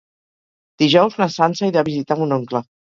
Dijous na Sança irà a visitar mon oncle.